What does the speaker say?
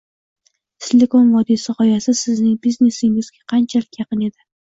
Silikon vodiysi gʻoyasi sizning biznesingizga qanchalik yaqin edi?